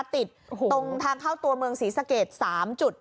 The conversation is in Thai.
ตรงทางเข้าตัวเมืองศรีสะเกด๓จุด